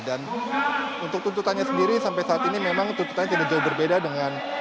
dan untuk tuntutannya sendiri sampai saat ini memang tuntutannya tidak jauh berbeda dengan